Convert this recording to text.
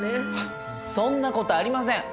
そんな事ありません。